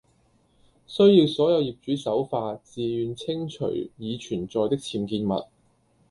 需要所有業主守法，自願清除已存在的僭建物